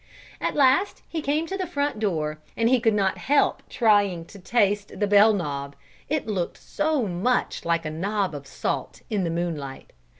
At last he came to the front door and he could not help trying to taste the bell knob, it looked so much like a knob of salt in the moonlight.